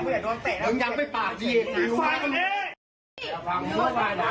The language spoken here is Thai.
มึงยังไม่ปากดีอีกนะ